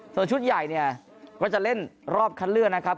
ส่วนชุดใหญ่เนี่ยก็จะเล่นรอบคัดเลือกนะครับ